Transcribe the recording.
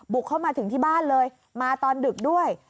เข้ามาถึงที่บ้านเลยมาตอนดึกด้วย